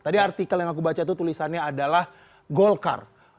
tadi artikel yang aku baca itu tulisannya adalah golkar